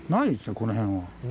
この辺は。